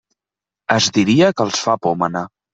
Es diria que els fa por manar.